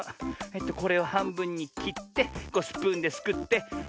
これをはんぶんにきってスプーンですくって。